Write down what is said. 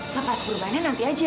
lepas perbennya nanti aja